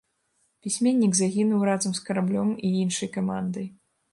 Пісьменнік загінуў разам з караблём і іншай камандай.